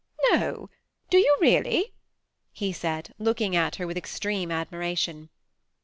*^ No ; do you really ?" he said, looking at her with extreme admiration.